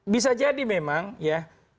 bisa jadi memang ya